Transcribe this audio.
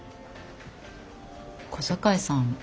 小堺さん